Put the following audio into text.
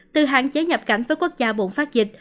từ hạn chế nhập cảnh với quốc gia bùng phát dịch